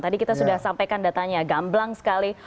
tadi kita sudah sampaikan datanya gamblang sekali